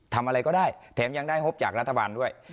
ทำอะไรก็ได้แถมยังได้งบจากรัฐบาลด้วย